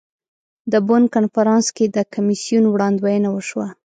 د بن کنفرانس کې د کمیسیون وړاندوینه وشوه.